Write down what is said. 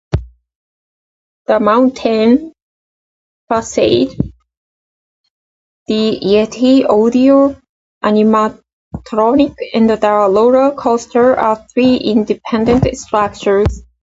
The mountain facade, the Yeti audio-animatronic, and the roller coaster are three independent structures.